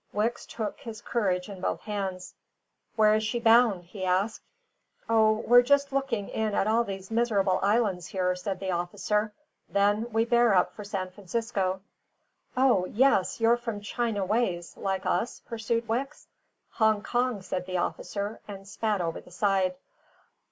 Wicks took his courage in both hands. "Where is she bound?" he asked. "O, we're just looking in at all these miserable islands here," said the officer. "Then we bear up for San Francisco." "O, yes, you're from China ways, like us?" pursued Wicks. "Hong Kong," said the officer, and spat over the side.